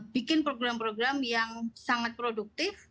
bikin program program yang sangat produktif